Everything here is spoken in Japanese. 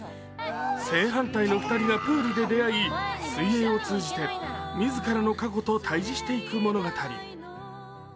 正反対の２人がプールで出会い、水泳を通じて自らの過去と対じしていく物語。